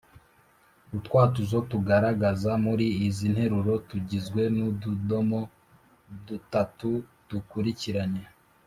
utwatuzo tugaragaza muri izi nteruro tugizwe n’utudomo dutatu dukurikiranye.